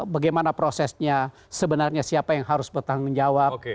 bagaimana prosesnya sebenarnya siapa yang harus bertanggung jawab